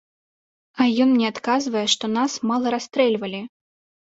А ён мне адказвае, што нас мала расстрэльвалі.